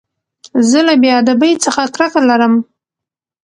زه له بې ادبۍ څخه کرکه لرم.